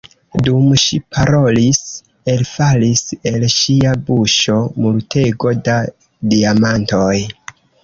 Dum ŝi parolis, elfalis el ŝia buŝo multego da diamantoj.